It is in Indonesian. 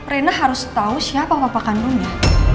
rena harus tahu siapa bapak kandungnya